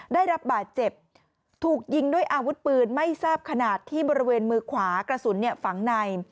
ได้รับบาดเจ็บถูกยิงด้วยอาวุธปืนไม่ทราบขนาดที่บริเวณมือขวากระสุนฝังใน